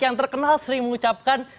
yang terkenal sering mengucapkan